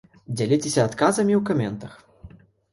Дзяліцеся адказамі ў каментах!